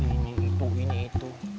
ini itu ini itu